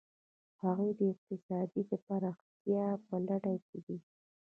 هغوی د اقتصادي پرمختیا په لټه کې دي.